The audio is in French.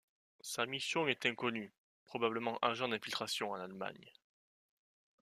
Sa mission est inconnue, probablement agent d'infiltration en Allemagne.